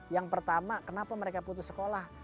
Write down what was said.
yang pertama kenapa mereka putus sekolah